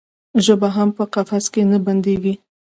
ژبه هم په قفس کې نه بندیږي.